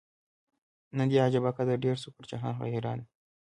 نن دي عجبه قدر ډېر سو پر جهان غیرانه